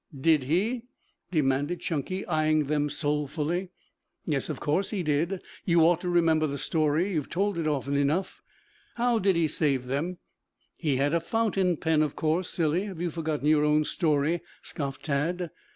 "Did he?" demanded Chunky eyeing them soulfully. "Yes, of course he did. You ought to remember the story. You have told it often enough." "How did he save them?" "He had a fountain pen, of course, silly! Have you forgotten your own story?" scoffed Tad.